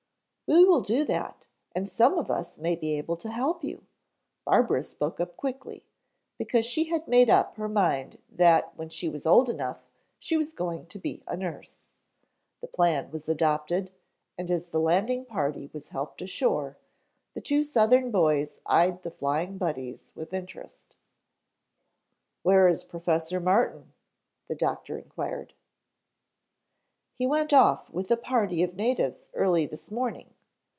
"We will do that, and some of us may be able to help you," Barbara spoke up quickly, because she had made up her mind that when she was old enough she was going to be a nurse. The plan was adopted, and as the landing party was helped ashore, the two southern boys eyed the Flying Buddies with interest. "Where is Professor Martin?" the Doctor inquired. "He went off with a party of natives early this morning.